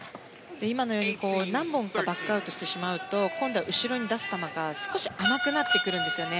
今のように何本かバックアウトしてしまうと今度は後ろに出す球が少し甘くなってくるんですよね。